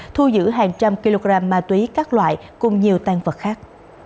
thu giữ hàng trăm kg ma túy các loại cùng nhiều tăng vật khác